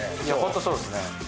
いや本当そうですね。